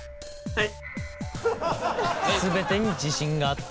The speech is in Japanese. はい。